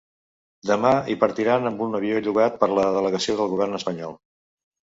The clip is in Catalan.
Demà hi partiran amb un avió llogat per la delegació del govern espanyol.